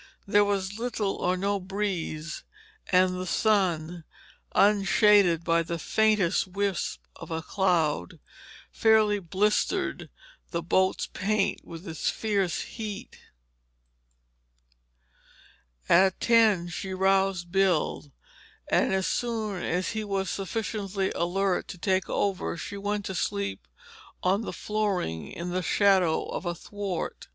There was little or no breeze and the sun, unshaded by the faintest wisp of cloud, fairly blistered the boat's paint with its fierce heat. At ten she roused Bill, and as soon as he was sufficiently alert to take over she went to sleep on the flooring in the shadow of a thwart.